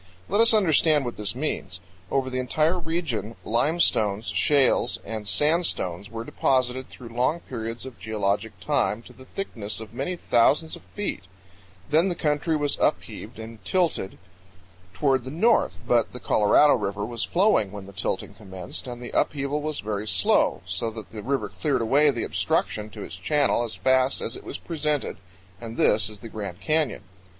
Let us understand what this means. Over the entire region limestones, shales, and sandstones were deposited through long periods of geologic time to the thickness of many thousands of feet; then the country was upheaved and tilted toward the north; but the Colorado 90 CANYONS OF THE COLORADO. powell canyons 56.jpg River was flowing when the tilting commenced, and the upheaval was very slow, so that the river cleared away the obstruction to its channel as fast as it was presented, and this is the Grand Canyon.